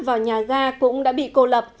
vào nhà ga cũng đã bị cô lập